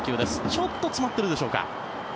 ちょっと詰まってるでしょうか。